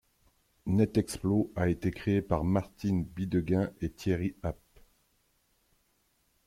Netexplo a été créé par Martine Bidegain et Thierry Happe.